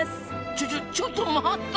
ちょちょちょっと待った！